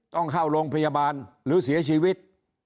ต้องเข้าโรงพยาบาลหรือเสียชีวิต